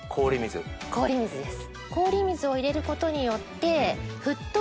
氷水です。